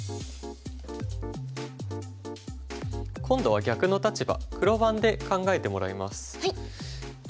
今度は逆の立場黒番で考えてもらいます。